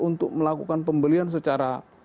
untuk melakukan pembelian secara